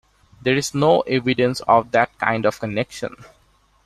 There is no evidence of that kind of connection.